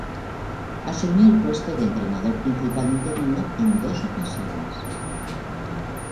Asumió el puesto de entrenador principal interino en dos ocasiones.